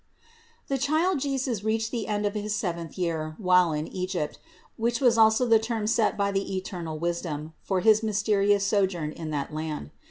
702. The Child Jesus reached the end of his seventh year while in Egypt, which was also the term set by the eternal Wisdom for his mysterious sojourn in that land.